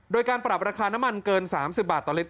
โดยการปรับราคาน้ำมันเกิน๓๐บาทต่อลิตร